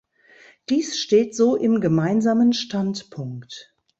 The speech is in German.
Dies steht so im Gemeinsamen Standpunkt.